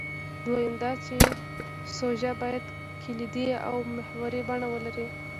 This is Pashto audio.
دویم دا چې سوژه باید کلیدي او محوري بڼه ولري.